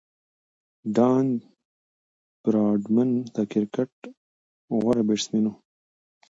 ډان براډمن د کرکټ غوره بیټسمېن وو.